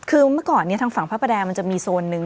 คือเมื่อก่อนเนี่ยทางฝั่งพระประแดงมันจะมีโซนนึง